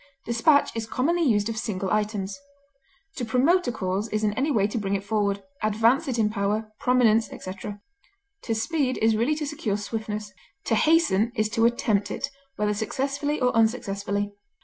Despatch is commonly used of single items. To promote a cause is in any way to bring it forward, advance it in power, prominence, etc. To speed is really to secure swiftness; to hasten is to attempt it, whether successfully or unsuccessfully.